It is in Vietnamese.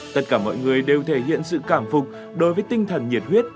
tất cả mọi người đều thể hiện sự cảm phục đối với tinh thần nhiệt huyết